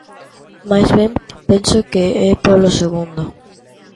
Máis ben penso que é polo segundo.